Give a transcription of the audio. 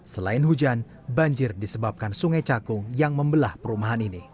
selain hujan banjir disebabkan sungai cakung yang membelah perumahan ini